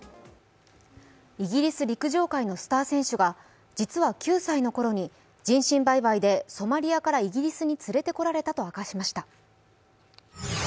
イギリス陸上界のスター選手が実は９歳のころに人身売買でソマリアからイギリスにつれてこられたと明かしました。